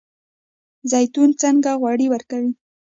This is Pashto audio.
زیتون څنګه غوړي ورکوي؟